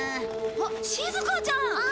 あっしずかちゃん！